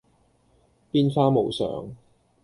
變化無常